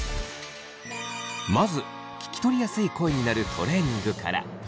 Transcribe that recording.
まず聞き取りやすい声になるトレーニングから。